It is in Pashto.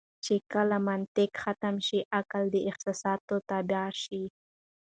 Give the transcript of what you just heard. چې کله منطق ختم شي عقل د احساساتو تابع شي.